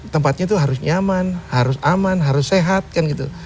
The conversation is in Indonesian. tempatnya itu harus nyaman harus aman harus sehat kan gitu